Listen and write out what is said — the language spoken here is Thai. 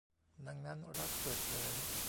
ดังนั้นรัฐเปิดเผย